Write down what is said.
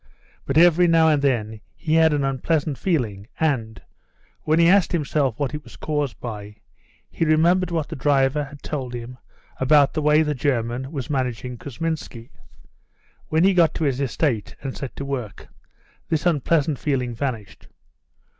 But every now and then he had an unpleasant feeling, and, when he asked himself what it was caused by, he remembered what the driver had told him about the way the German was managing Kousminski. When he got to his estate and set to work this unpleasant feeling vanished.